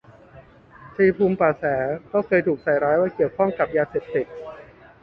ชัยภูมิป่าแส ก็เคยถูกใส่ร้ายว่าเกี่ยวข้องกับ ยาเสพติด